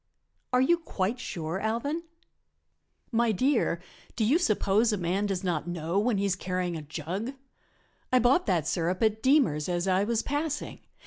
"Are you quite sure, Alvan?" "My dear, do you suppose a man does not know when he is carrying a jug? I bought that sirup at Deemer's as I was passing.